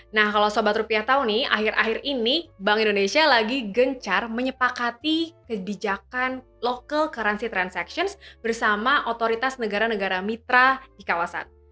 nah kalau sobat rupiah tahu nih akhir akhir ini bank indonesia lagi gencar menyepakati kebijakan local currency transactions bersama otoritas negara negara mitra di kawasan